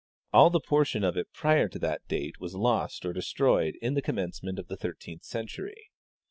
All the portion of it prior to that date was lost or de stroyed in the commencement of the thirteenth century.